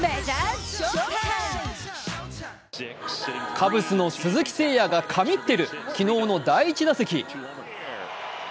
カブスの鈴木誠也が神ってる、昨日の第１打席。